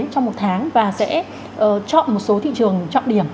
trong một tháng và sẽ chọn một số thị trường trọng điểm